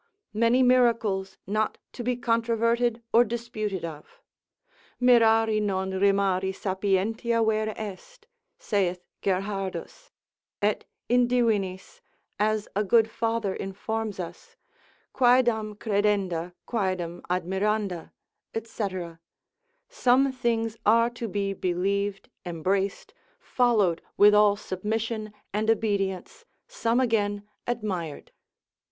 many miracles not to be controverted or disputed of. Mirari non rimari sapientia vera est, saith Gerhardus; et in divinis (as a good father informs us) quaedam credenda, quaedam admiranda, &c. some things are to be believed, embraced, followed with all submission and obedience, some again admired.